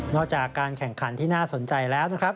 จากการแข่งขันที่น่าสนใจแล้วนะครับ